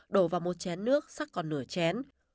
đổ vào một chén nước sắc còn nửa chén